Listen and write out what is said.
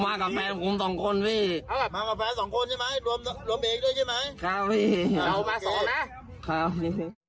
มาก่อนแฟน๒คนใช่ไหมดวมเบงด้วยใช่ไหม